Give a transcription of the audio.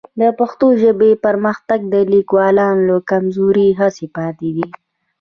د پښتو ژبې پرمختګ د لیکوالانو له کمزورې هڅې پاتې دی.